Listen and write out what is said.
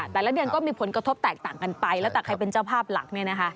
แต่ละเดือนก็มีผลกระทบแตกต่างกันไปแล้วแต่ใครเป็นเจ้าภาพหลักเนี่ยนะคะ